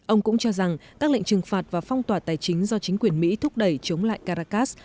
ông cũng cho rằng các lệnh trừng phạt và phong tỏa tài chính do chính quyền mỹ thúc đẩy chống lại caracas